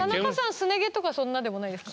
すね毛とかそんなでもないですか？